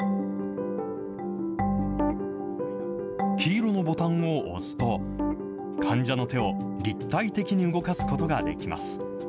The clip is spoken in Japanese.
黄色のボタンを押すと、患者の手を立体的に動かすことができます。